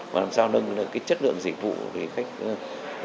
và làm sao nâng cái chất lượng dịch vụ